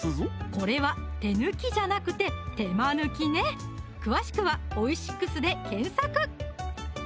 これは手抜きじゃなくて手間抜きね詳しくは「オイシックス」で検索